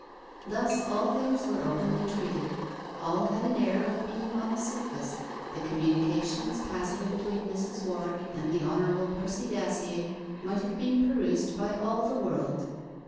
Thus all things were openly treated; all had an air of being on the surface; the communications passing between Mrs. Warwick and the Hon. Percy Dacier might have been perused by all the world.